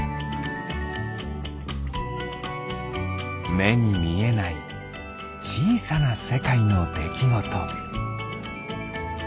めにみえないちいさなせかいのできごと。